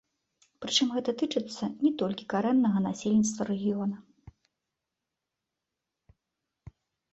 Прычым гэта тычыцца не толькі карэннага насельніцтва рэгіёна.